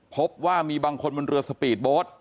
พบว่ามีบางคนบนเรือสปีดโบสต์